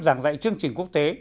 giảng dạy chương trình quốc tế